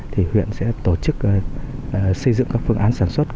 thì huyện sẽ tổ chức xây dựng các phương án sản xuất